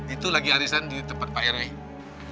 itu lagi arisan di tempat pak eroy